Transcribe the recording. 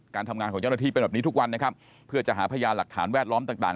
การทำงานของเจ้าหน้าที่เป็นแบบนี้ทุกวันนะครับเพื่อจะหาพยานหลักฐานแวดล้อมต่าง